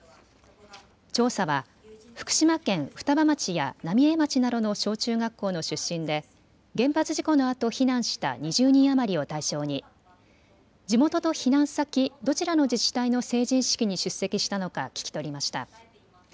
調査は福島県双葉町や浪江町などの小中学校の出身で原発事故のあと避難した２０人余りを対象に地元と避難先、どちらの自治体の成人式に出席したのか聞き取りました。